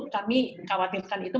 kami khawatirkan itu